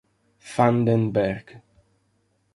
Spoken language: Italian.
Van den Bergh